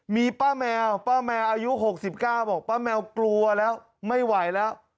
มีป้าแมวป้าแมวอายุ๖๙บอกป้าแมวกลัวแล้วไม่ไหวแล้ว